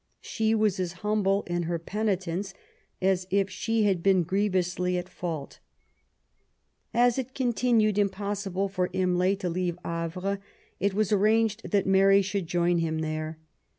She was as humble in her penitence as if she had been grievously at fault. As it continued impossible for Imlay to leave Havre, it was arranged that Mary should join him there.